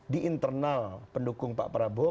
di internal pendukung pak prabowo